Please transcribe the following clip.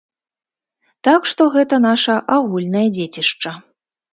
Так што, гэта наша агульнае дзецішча.